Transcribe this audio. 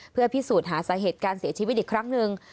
เพื่อพิสูจน์หาสาเหตุการเสียชีวิตอีกครั้งหนึ่ง